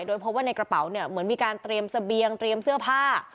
โดยพบว่าในกระเป๋าเหมือนมีการเตรียมเสื้อผ้าเตรียมเสื้อเตรียมเสื้อผ้า